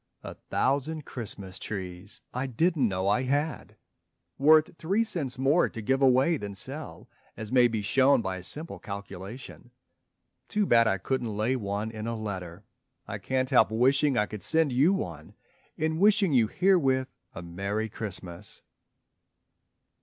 A thousand Christmas trees I didn't know I had! Worth three cents more to give away than sell, As may be shown by a simple calculation. Too bad I couldn't lay one in a letter. I can't help wishing I could send you one, In wishing you herewith a Merry Christmas.